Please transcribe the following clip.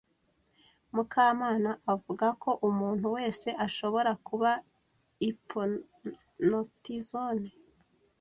Mukamana avuga ko umuntu wese ashobora kuba hypnotizone.